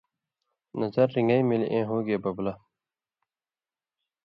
نظر رِنٚگئیں مِلی ائیں ہو گے ببلہ